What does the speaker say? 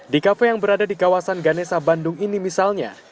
di kafe yang berada di kawasan ganesa bandung ini misalnya